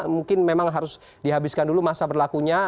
mungkin memang harus dihabiskan dulu masa berlakunya